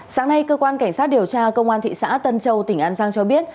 sáng nay cơ quan cảnh sát điều tra công an thị xã tân châu tỉnh an giang cho biết